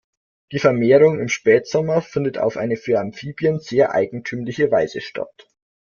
Die Vermehrung im Spätsommer findet auf eine für Amphibien sehr eigentümliche Weise statt.